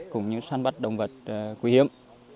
cũng như săn bắt động vật nguy hiểm